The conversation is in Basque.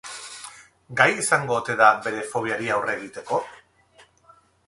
Gai izango ote da bere fobiari aurre egiteko?